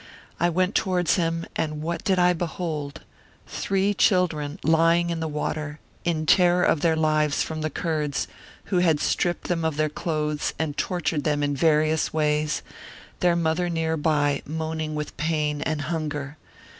I went towards him, and what did I behold?^ Three children lying in the water, in terror of their lives from the Kurds, who had stripped them of their clothes and tortured them in various ways, their mother near by, moaning with pain and hunger.